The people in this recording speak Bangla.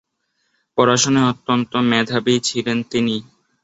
পড়াশোনায় অত্যন্ত মেধাবী ছিলেন তিনি।